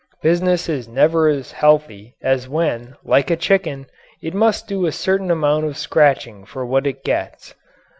Business is never as healthy as when, like a chicken, it must do a certain amount of scratching for what it gets.